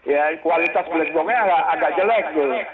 ya kualitas black boxnya agak jelek